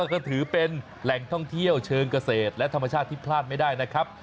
ก็ถือเป็นแหล่งท่องเที่ยวเชิงเกษตรและธรรมชาติที่พลาดไม่ได้นะครับ